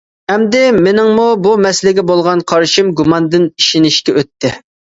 ئەمدى مېنىڭمۇ بۇ مەسىلىگە بولغان قارىشىم گۇماندىن ئىشىنىشكە ئۆتتى.